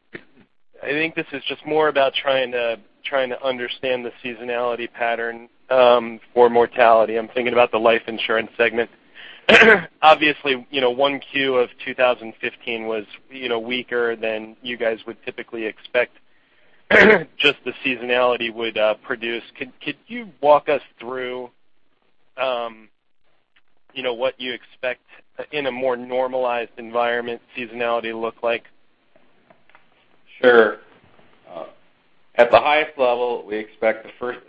I think this is just more about trying to understand the seasonality pattern for mortality. I'm thinking about the life insurance segment. Obviously, 1Q of 2015 was weaker than you guys would typically expect, just the seasonality would produce. Could you walk us through what you expect in a more normalized environment seasonality look like? Sure. At the highest level, this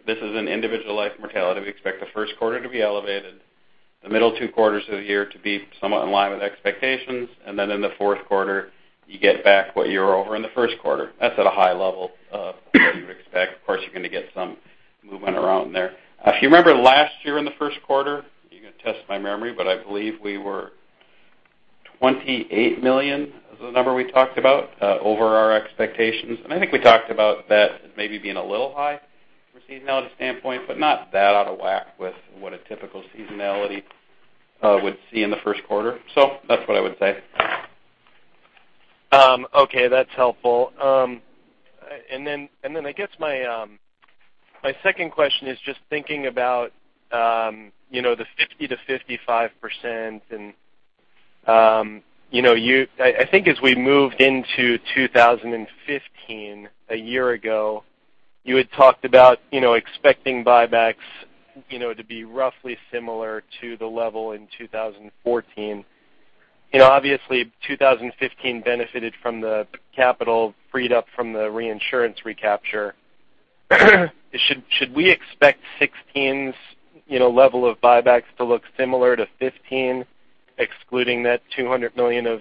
is an individual life mortality, we expect the first quarter to be elevated, the middle two quarters of the year to be somewhat in line with expectations, in the fourth quarter, you get back what you were over in the first quarter. That's at a high level of what you would expect. Of course, you're going to get some movement around there. If you remember last year in the first quarter, you're going to test my memory, but I believe we were $28 million, is the number we talked about, over our expectations. I think we talked about that maybe being a little high from a seasonality standpoint, but not that out of whack with what a typical seasonality would see in the first quarter. That's what I would say. Okay, that's helpful. I guess my second question is just thinking about the 50%-55%. I think as we moved into 2015, a year ago, you had talked about expecting buybacks to be roughly similar to the level in 2014. Obviously, 2015 benefited from the capital freed up from the reinsurance recapture. Should we expect 2016's level of buybacks to look similar to 2015, excluding that $200 million of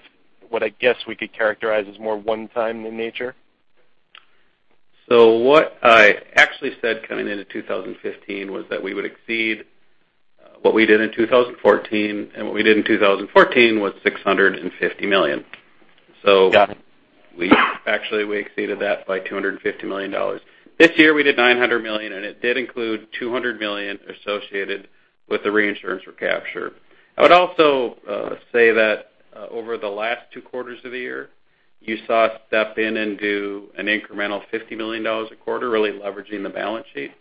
what I guess we could characterize as more one time in nature? What I actually said coming into 2015 was that we would exceed what we did in 2014, and what we did in 2014 was $650 million. Got it. Actually we exceeded that by $250 million. This year, we did $900 million, and it did include $200 million associated with the reinsurance recapture. I would also say that over the last two quarters of the year, you saw us step in and do an incremental $50 million a quarter, really leveraging the balance sheet.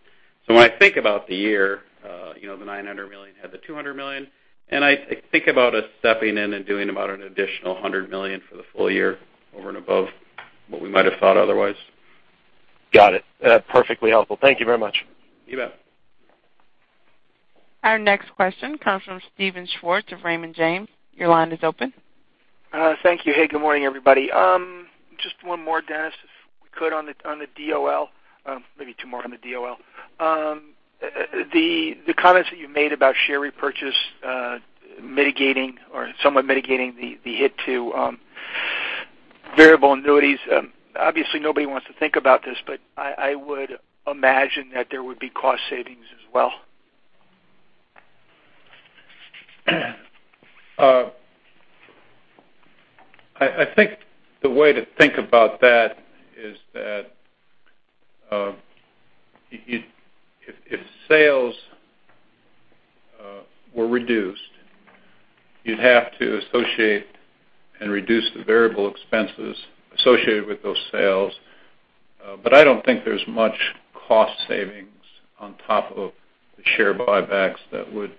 When I think about the year, the $900 million had the $200 million, and I think about us stepping in and doing about an additional $100 million for the full year over and above what we might have thought otherwise. Got it. That's perfectly helpful. Thank you very much. You bet. Our next question comes from Steven Schwartz of Raymond James. Your line is open. Thank you. Hey, good morning, everybody. Just one more, Dennis, if we could on the DOL. Maybe two more on the DOL. The comments that you made about share repurchase mitigating or somewhat mitigating the hit to variable annuities. Obviously, nobody wants to think about this, but I would imagine that there would be cost savings as well. I think the way to think about that is that if sales were reduced, you'd have to associate and reduce the variable expenses associated with those sales. I don't think there's much cost savings on top of the share buybacks that would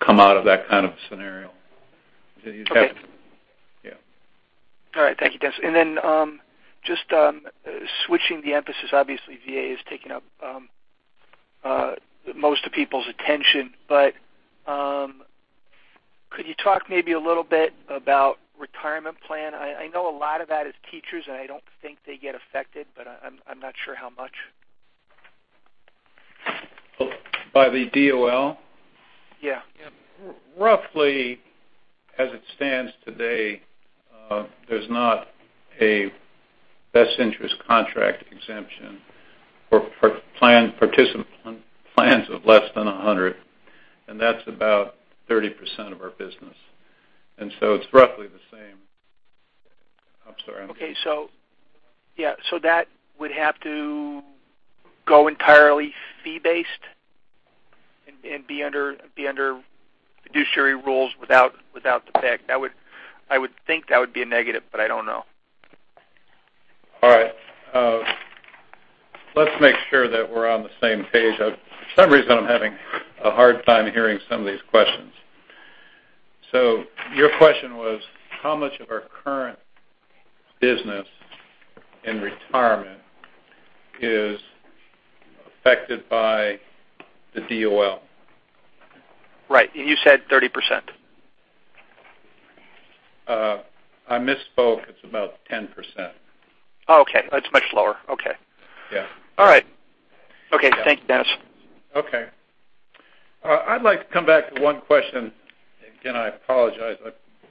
come out of that kind of a scenario. Okay. Yeah. All right. Thank you, Dennis. Just switching the emphasis, obviously, VA is taking up most of people's attention, but could you talk maybe a little bit about retirement plan? I know a lot of that is teachers, and I don't think they get affected, but I'm not sure how much. By the DOL? Yeah. Roughly, as it stands today, there's not a best interest contract exemption for plans of less than 100, that's about 30% of our business. It's roughly the same. Okay. That would have to go entirely fee based and be under fiduciary rules without the fact. I would think that would be a negative, but I don't know. All right. Let's make sure that we're on the same page. For some reason, I'm having a hard time hearing some of these questions. Your question was how much of our current business in retirement is affected by the DOL? Right. You said 30%. I misspoke. It's about 10%. Okay. It's much lower. Okay. Yeah. All right. Okay. Yeah. Thanks, Dennis. Okay. I'd like to come back to one question. Again, I apologize,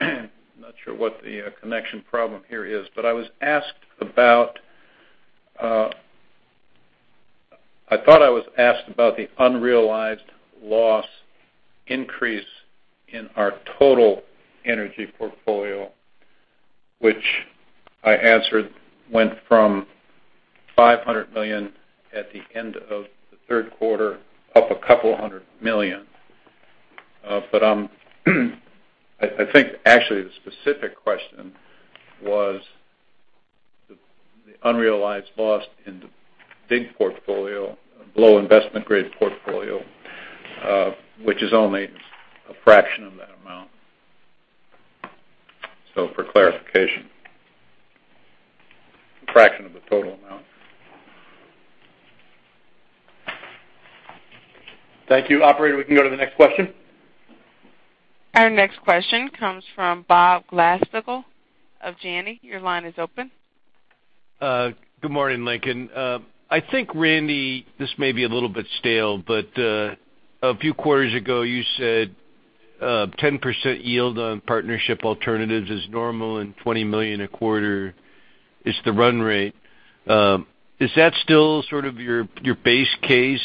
I'm not sure what the connection problem here is. I was asked about the unrealized loss increase in our total energy portfolio, which I answered went from $500 million at the end of the third quarter, up $200 million. I think actually the specific question was the unrealized loss in the big portfolio, low investment grade portfolio, which is only a fraction of that amount. For clarification. A fraction of the total amount. Thank you. Operator, we can go to the next question. Our next question comes from Bob Glasspiegel of Janney. Your line is open. Good morning, Lincoln. I think, Randy, this may be a little bit stale. A few quarters ago you said 10% yield on partnership alternatives is normal and $20 million a quarter is the run rate. Is that still sort of your base case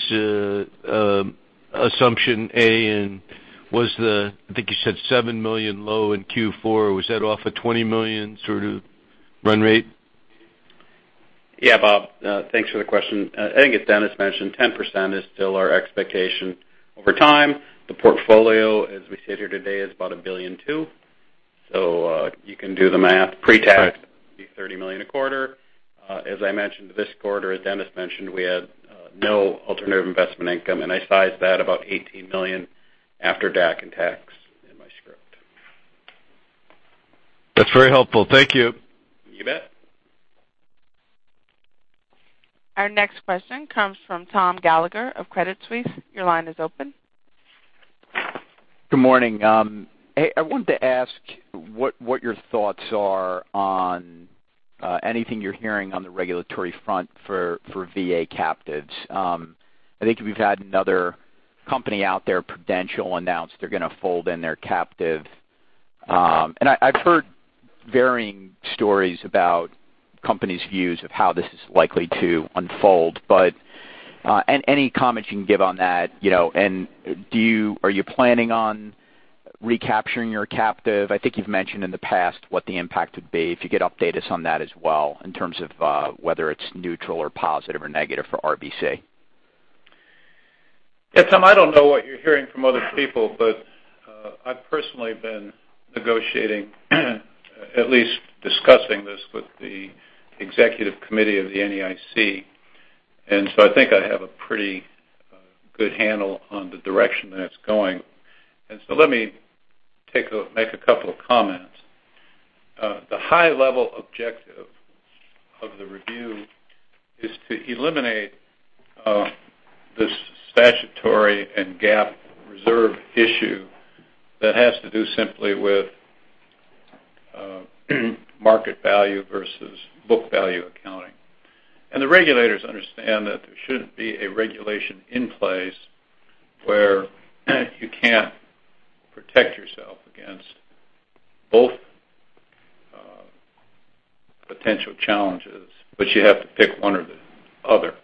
assumption, A, and was the, I think you said $7 million low in Q4, was that off a $20 million sort of run rate? Yeah, Bob. Thanks for the question. I think as Dennis mentioned, 10% is still our expectation. Over time, the portfolio, as we sit here today, is about $1.2 billion. You can do the math. Pre-tax- Right would be $30 million a quarter. As I mentioned this quarter, as Dennis mentioned, we had no alternative investment income, and I sized that about $18 million after DAC and tax in my script. That's very helpful. Thank you. You bet. Our next question comes from Tom Gallagher of Credit Suisse. Your line is open. Good morning. I wanted to ask what your thoughts are on anything you're hearing on the regulatory front for VA captives. I think we've had another company out there, Prudential, announce they're going to fold in their captive. I've heard varying stories about companies' views of how this is likely to unfold. Any comments you can give on that? Are you planning on recapturing your captive? I think you've mentioned in the past what the impact would be. If you could update us on that as well, in terms of whether it's neutral or positive or negative for RBC. Tom, I don't know what you're hearing from other people, but I've personally been negotiating, at least discussing this with the executive committee of the NAIC. I think I have a pretty good handle on the direction that it's going. Let me make a couple of comments. The high level objective of the review is to eliminate this statutory and GAAP reserve issue that has to do simply with market value versus book value accounting. The regulators understand that there shouldn't be a regulation in place where you can't protect yourself against both potential challenges, but you have to pick one or the other.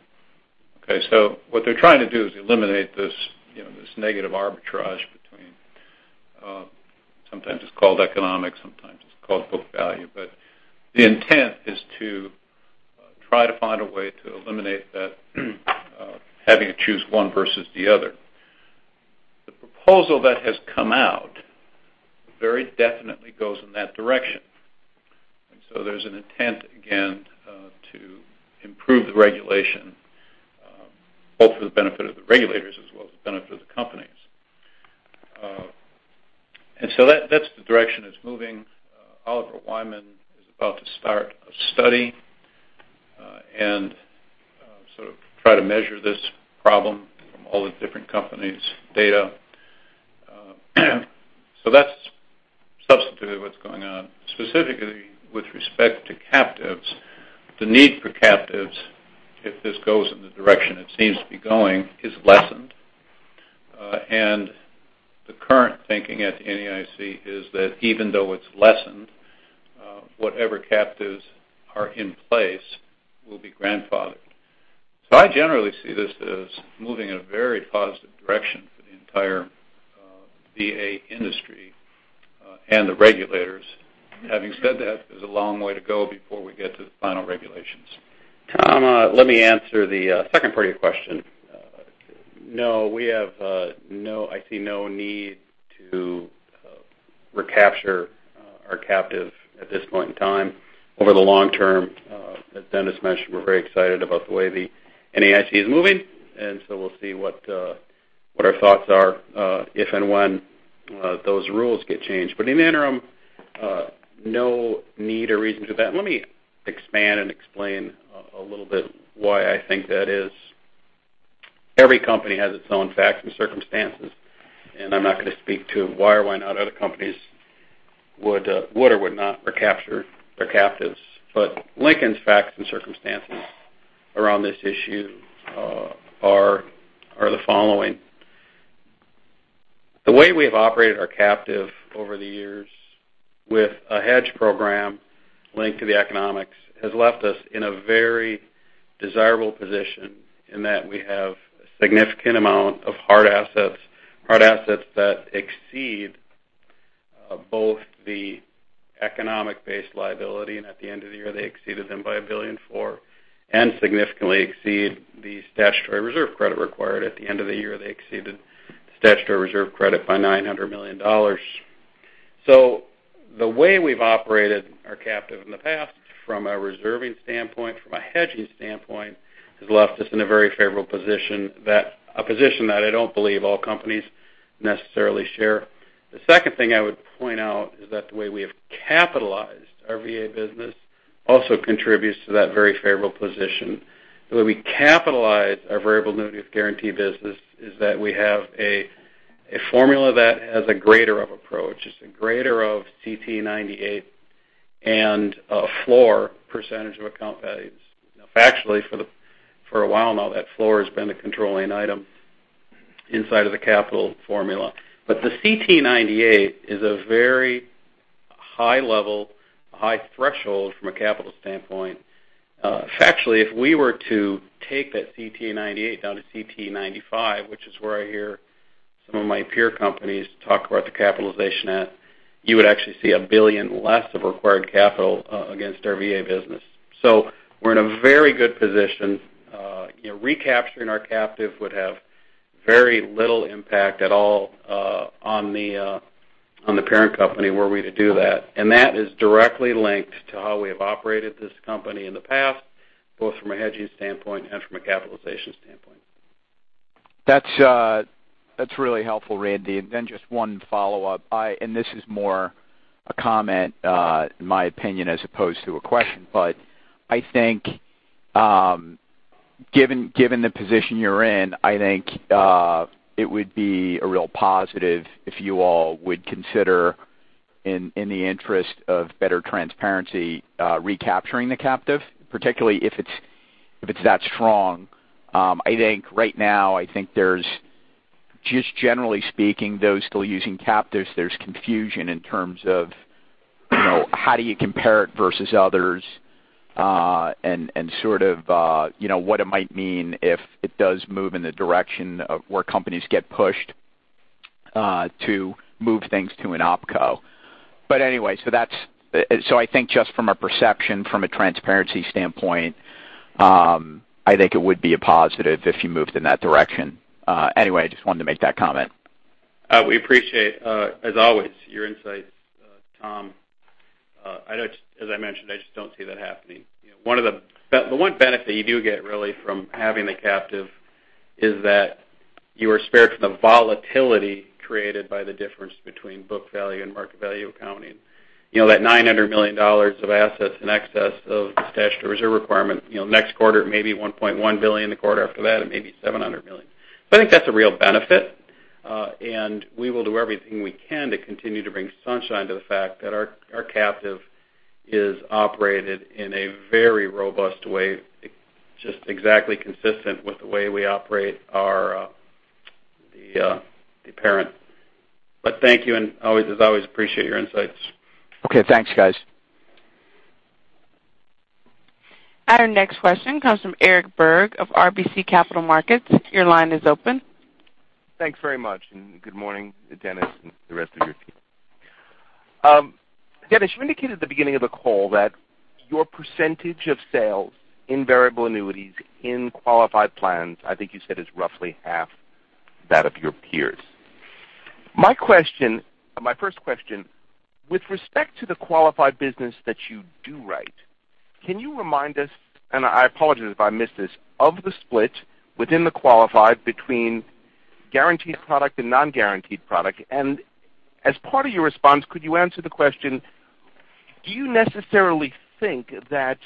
What they're trying to do is eliminate this negative arbitrage between Sometimes it's called economic, sometimes it's called book value. The intent is to try to find a way to eliminate that having to choose one versus the other. The proposal that has come out very definitely goes in that direction. There's an intent again to improve the regulation both for the benefit of the regulators as well as the benefit of the companies. That's the direction it's moving. Oliver Wyman is about to start a study and sort of try to measure this problem from all the different companies' data. That's substantively what's going on. Specifically with respect to captives, the need for captives, if this goes in the direction it seems to be going, is lessened. The current thinking at the NAIC is that even though it's lessened, whatever captives are in place will be grandfathered. I generally see this as moving in a very positive direction for the entire VA industry and the regulators. Having said that, there's a long way to go before we get to the final regulations. Tom, let me answer the second part of your question. No, I see no need to recapture our captive at this point in time. Over the long term, as Dennis mentioned, we're very excited about the way the NAIC is moving. We'll see what our thoughts are if and when those rules get changed. In the interim, no need or reason to do that. Let me expand and explain a little bit why I think that is. Every company has its own facts and circumstances, and I'm not going to speak to why or why not other companies would or would not recapture their captives. Lincoln's facts and circumstances around this issue are the following. The way we have operated our captive over the years with a hedge program linked to the economics has left us in a very desirable position in that we have a significant amount of hard assets that exceed both the economic-based liability, and at the end of the year, they exceeded them by $1.4 billion, and significantly exceed the statutory reserve credit required. At the end of the year, they exceeded statutory reserve credit by $900 million. The way we've operated our captive in the past, from a reserving standpoint, from a hedging standpoint, has left us in a very favorable position, a position that I don't believe all companies necessarily share. The second thing I would point out is that the way we have capitalized our VA business also contributes to that very favorable position. The way we capitalize our variable annuity guarantee business is that we have a formula that has a greater of approach. It's a greater of CTE 98 and a floor percentage of account values. Factually, for a while now, that floor has been a controlling item inside of the capital formula. The CTE 98 is a very high level, high threshold from a capital standpoint. Factually, if we were to take that CTE 98 down to CTE 95, which is where I hear some of my peer companies talk about the capitalization at, you would actually see $1 billion less of required capital against our VA business. We're in a very good position. Recapturing our captive would have very little impact at all on the parent company were we to do that. That is directly linked to how we have operated this company in the past, both from a hedging standpoint and from a capitalization standpoint. That's really helpful, Randy. Then just one follow-up. This is more a comment, in my opinion, as opposed to a question, but I think given the position you're in, I think it would be a real positive if you all would consider, in the interest of better transparency, recapturing the captive, particularly if it's that strong. I think right now, I think there's, just generally speaking, those still using captives, there's confusion in terms of how do you compare it versus others, and sort of what it might mean if it does move in the direction of where companies get pushed to move things to an opco. I think just from a perception, from a transparency standpoint, I think it would be a positive if you moved in that direction. Anyway, I just wanted to make that comment. We appreciate, as always, your insights, Tom. As I mentioned, I just don't see that happening. The one benefit you do get really from having the captive is that you are spared from the volatility created by the difference between book value and market value accounting. That $900 million of assets in excess of the statutory reserve requirement, next quarter, it may be $1.1 billion. The quarter after that, it may be $700 million. I think that's a real benefit. We will do everything we can to continue to bring sunshine to the fact that our captive is operated in a very robust way, just exactly consistent with the way we operate the parent. Thank you, and as always, appreciate your insights. Okay. Thanks, guys. Our next question comes from Eric Berg of RBC Capital Markets. Your line is open. Thanks very much, and good morning, Dennis and the rest of your team. Dennis, you indicated at the beginning of the call that your percentage of sales in variable annuities in qualified plans, I think you said, is roughly half that of your peers. My first question, with respect to the qualified business that you do right, can you remind us, and I apologize if I missed this, of the split within the qualified between guaranteed product and non-guaranteed product? As part of your response, could you answer the question, do you necessarily think that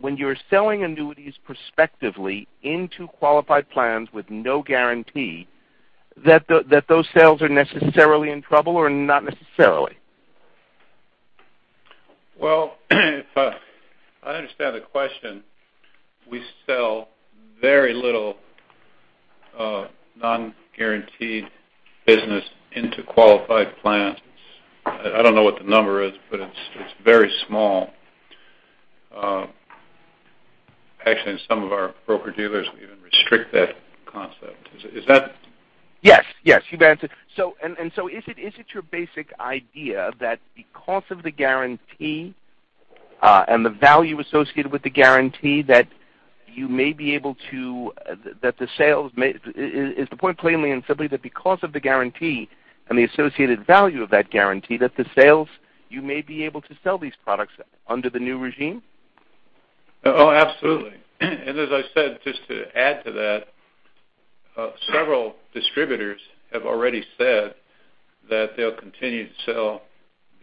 when you're selling annuities prospectively into qualified plans with no guarantee, that those sales are necessarily in trouble or not necessarily? Well, if I understand the question, we sell very little non-guaranteed business into qualified plans. I don't know what the number is, but it's very small. Actually, some of our broker-dealers even restrict that concept. Is that? Yes, you've answered. Is it your basic idea that because of the guarantee and the value associated with the guarantee, is the point plainly and simply that because of the guarantee and the associated value of that guarantee that the sales, you may be able to sell these products under the new regime? Oh, absolutely. As I said, just to add to that, several distributors have already said that they'll continue to sell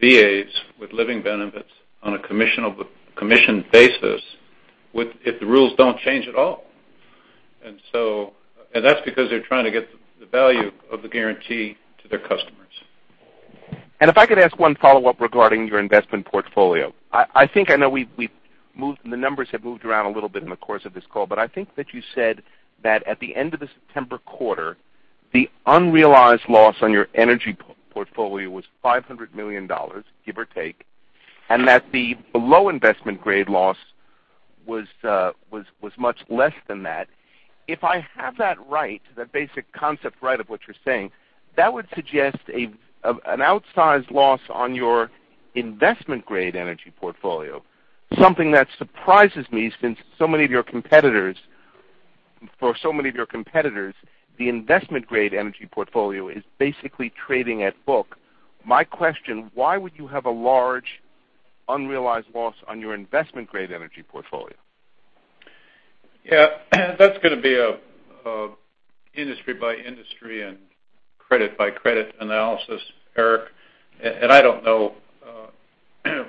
VAs with living benefits on a commission basis if the rules don't change at all. That's because they're trying to get the value of the guarantee to their customers. If I could ask one follow-up regarding your investment portfolio. I think I know the numbers have moved around a little bit in the course of this call, but I think that you said that at the end of the September quarter, the unrealized loss on your energy portfolio was $500 million, give or take, and that the below investment grade loss was much less than that. If I have that right, the basic concept right of what you're saying, that would suggest an outsized loss on your investment-grade energy portfolio. Something that surprises me since for so many of your competitors, the investment-grade energy portfolio is basically trading at book. My question, why would you have a large unrealized loss on your investment-grade energy portfolio? That's going to be an industry-by-industry and credit-by-credit analysis, Eric, and I don't know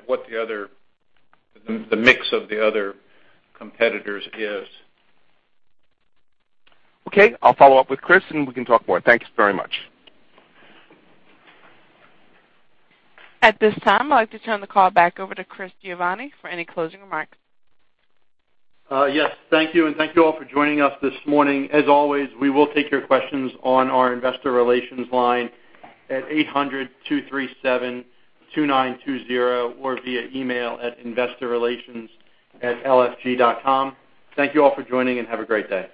what the mix of the other competitors is. Okay, I'll follow up with Chris, and we can talk more. Thanks very much. At this time, I'd like to turn the call back over to Chris Giovanni for any closing remarks. Yes. Thank you, and thank you all for joining us this morning. As always, we will take your questions on our investor relations line at 800-237-2920 or via email at investorrelations@lfg.com. Thank you all for joining, and have a great day.